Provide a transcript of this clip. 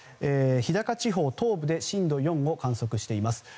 日高地方東部で震度４を観測しています。